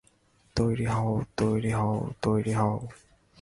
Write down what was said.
তৈরি হও, তৈরি হও, তৈরি হও।